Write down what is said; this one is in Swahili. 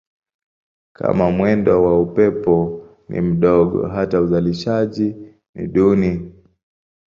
Kama mwendo wa upepo ni mdogo hata uzalishaji ni duni.